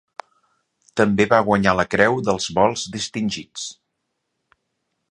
També va guanyar la Creu dels Vols Distingits.